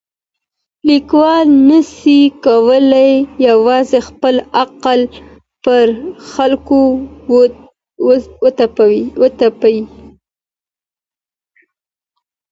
ليکوال نه سي کولای يوازې خپل عقل پر خلګو وتپي.